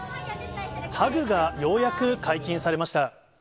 ハグがようやく解禁されました。